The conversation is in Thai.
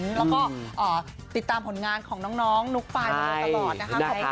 แล้วก็ติดตามผลงานของน้องนุ๊กปายตลอดนะคะ